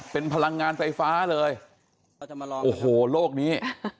เป็นพลังงานไฟฟ้าเลยเราจะมาลองกันครับโอ้โหโลกนี้